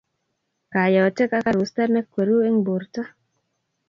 Kayotek ak arusta nekweru eng borta